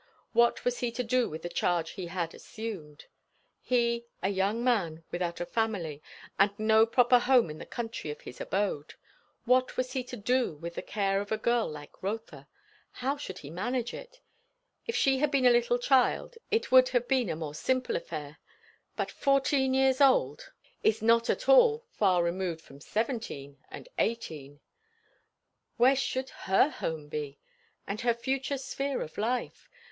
What was he to do with the charge he had assumed? He, a young man without a family, with no proper home in the country of his abode, what was he to do with the care of a girl like Rotha? how should he manage it? If she had been a little child it would have been a more simple affair; but fourteen years old is not at all far removed from seventeen, and eighteen. Where should her home be? and her future sphere of life?